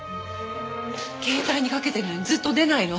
携帯に掛けてるのにずっと出ないの。